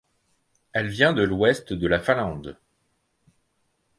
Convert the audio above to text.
Elle vient de l'ouest de la Finlande.